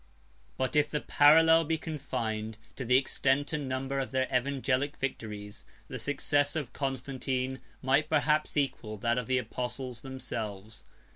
But if the parallel be confined to the extent and number of their evangelic victories the success of Constantine might perhaps equal that of the Apostles themselves.